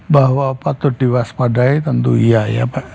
bahwa patut diwaspadai tentu iya ya pak